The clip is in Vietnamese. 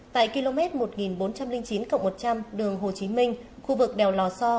tại km một nghìn bốn trăm linh chín một trăm linh đường hồ chí minh khu vực đèo lò so